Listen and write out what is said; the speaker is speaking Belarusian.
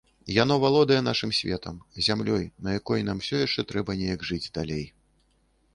Яно валодае нашым светам, зямлёй, на якой нам усё яшчэ трэба неяк жыць далей.